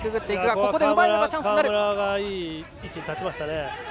川村がいい位置に立ちましたね。